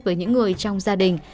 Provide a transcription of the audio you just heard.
với những người trong gia đình